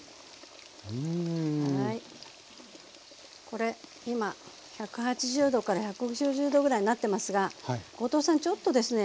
これ今１８０℃から１９０℃ぐらいになってますが後藤さんちょっとですね